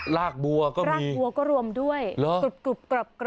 รากบัวก็รวมด้วยกรอบ